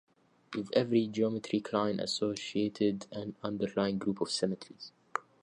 With every geometry, Klein associated an underlying group of symmetries.